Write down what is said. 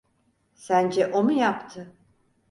Sence o mu yaptı?